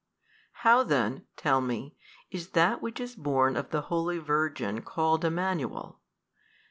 How then (tell me) is that which is born of the holy Virgin called Emmanuel?